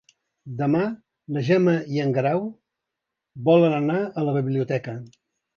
Demà na Gemma i en Guerau volen anar a la biblioteca.